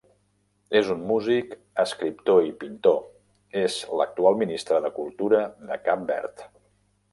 És un músic, escriptor i pintor, és l’actual ministre de Cultura de Cap Verd.